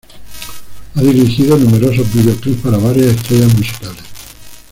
Ha dirigido numerosos video-clips para varias estrellas musicales.